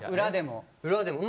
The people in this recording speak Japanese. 裏でも？